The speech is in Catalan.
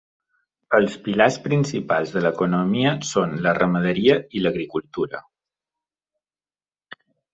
Els pilars principals de l'economia són la ramaderia i l'agricultura.